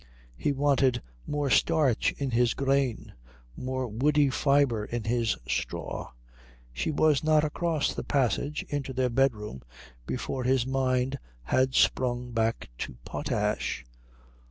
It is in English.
He wanted more starch in his grain, more woody fibre in his straw. She was not across the passage into their bedroom before his mind had sprung back to potash.